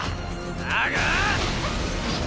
だが！